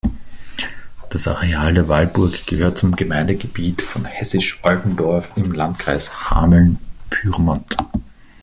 Das Areal der Wallburg gehört zum Gemeindegebiet von Hessisch Oldendorf im Landkreis Hameln-Pyrmont.